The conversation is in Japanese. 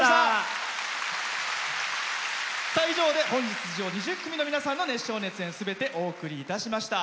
以上で、本日出場２０組の熱唱、熱演すべてお送りいたしました。